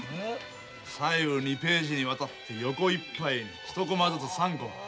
左右２ページにわたって横いっぱいに１コマずつ３コマ。